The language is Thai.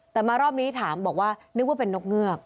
แต่มารอบนี้ถามบอกว่านึกว่าเป็นนกเงือก